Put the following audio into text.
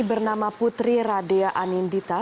bernama putri radea anindita